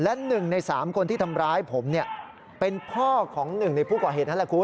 และ๑ใน๓คนที่ทำร้ายผมเป็นพ่อของหนึ่งในผู้ก่อเหตุนั่นแหละคุณ